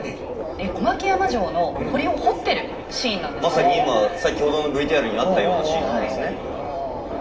まさに今先ほどのＶＴＲにあったようなシーンとかですね。